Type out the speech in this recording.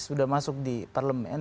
sudah masuk di parlemen